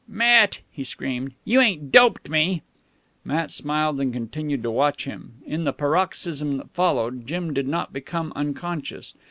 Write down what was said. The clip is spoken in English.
"Matt!" he screamed. "You ain't doped me?" Matt smiled and continued to watch him. In the paroxysm that followed, Jim did not become unconscious.